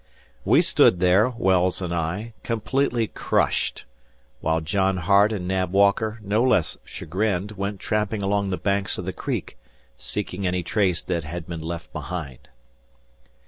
We stood there, Wells and I, completely crushed, while John Hart and Nab Walker, no less chagrined, went tramping along the banks of the Creek, seeking any trace that had been left behind.